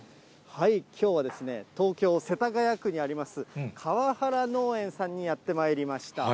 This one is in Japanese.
きょうは東京・世田谷区にあります、河原農園さんにやって参りました。